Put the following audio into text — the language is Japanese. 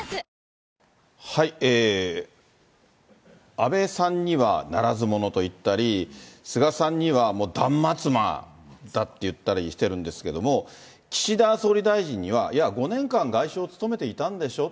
安倍さんにはならず者と言ったり、菅さんにはもう断末魔だって言ったりしてるんですけれども、岸田総理大臣には、いや、５年間外相務めていたんでしょう。